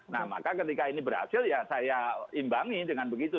nah maka ketika ini berhasil ya saya imbangi dengan begitu